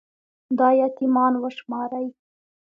دا يـتـيـمـان وشمارئ